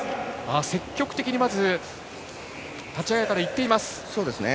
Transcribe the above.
積極的に、立ち上がりからいっています。